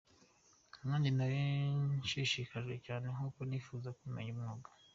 Nkanjye nari nshishikaye cyane kuko nifuzaga kumenya umwuga.